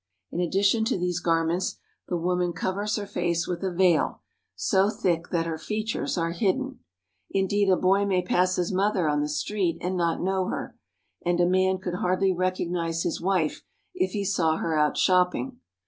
In addition to these garments, the woman covers her face with a veil, so thick that her features are hidden. Indeed, a boy may pass his mother on the street and not know her, and a man could hardly recognize his wife if he saw her out shopping.